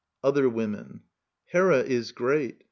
Other Women. Hera is great